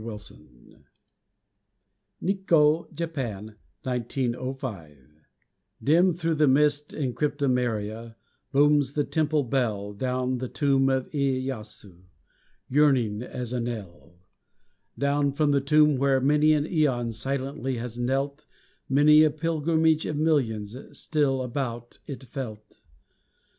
EVOCATION (NIKKO, JAPAN, 1905) Dim thro' the mist and cryptomeria Booms the temple bell, Down from the tomb of Iêyasü Yearning, as a knell. Down from the tomb where many an æon Silently has knelt; Many a pilgrimage of millions Still about it felt.